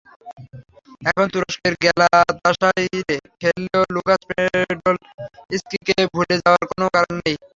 এখন তুরস্কের গ্যালাতাসারাইয়ে খেললেও লুকাস পোডলস্কিকে ভুলে যাওয়ার কোনো কারণ নেই।